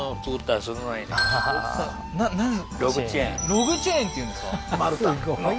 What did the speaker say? ログチェーンっていうんですか？